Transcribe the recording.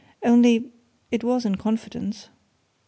Only it was in confidence."